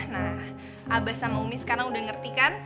nah abah sama umi sekarang udah ngerti kan